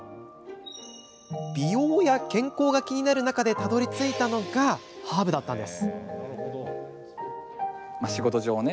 美容や健康が気になる中でたどりついたのがハーブだったんです。